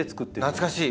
懐かしい！